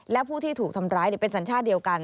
และผู้ที่ถูกทำร้ายเป็นสัญชาติเดียวกัน